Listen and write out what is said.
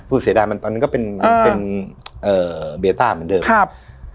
เสียดายมันตอนนั้นก็เป็นเป็นเอ่อเบต้าเหมือนเดิมครับ